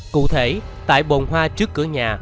cụ thể tại bồn hoa trước cửa nhà